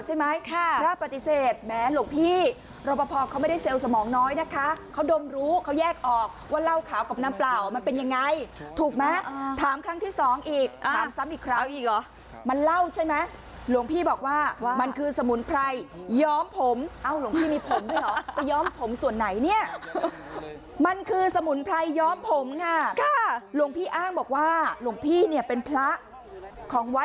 ใช่ไหมค่ะพระปฏิเสธแม้หลวงพี่รบภพเขาไม่ได้เซลล์สมองน้อยนะคะเขาดมรู้เขาแยกออกว่าเหล้าขาวกับน้ำเปล่ามันเป็นยังไงถูกมั้ยถามครั้งที่สองอีกอีกครั้งอีกครั้งอีกอ๋อมันเล่าใช่ไหมหลวงพี่บอกว่ามันคือสมุนไพรย้อมผมเอ้าหลวงพี่มีผมด้วยหรอไปย้อมผมส่วนไหนเนี่ยมันคือสมุนไพรย้อมผมง่ะก็ห